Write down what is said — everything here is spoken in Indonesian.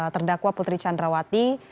terdakwa putri candrawati